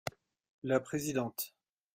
La présidente.